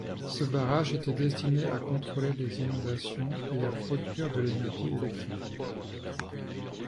Ce barrage était destiné à contrôler les inondations et à produire de l'énergie électrique.